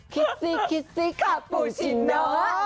คิดซิคิดซิคาปูชิโน